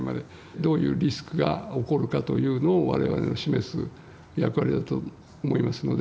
どういうリスクが起こるかというのをわれわれの示す役割だと思いますので。